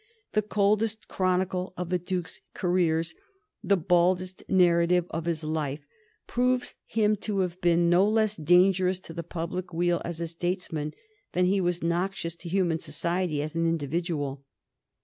The coldest chronicle of the Duke's careers, the baldest narrative of his life, proves him to have been no less dangerous to the public weal as a statesman than he was noxious to human society as an individual.